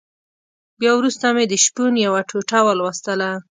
بيا وروسته مې د شپون يوه ټوټه ولوستله.